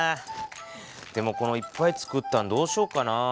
でもこのいっぱいつくったんどうしよっかな。